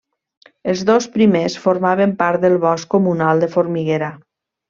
Els dos primers formaven part del Bosc Comunal de Formiguera.